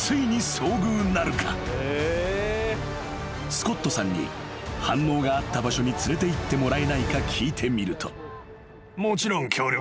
［スコットさんに反応があった場所に連れていってもらえないか聞いてみると］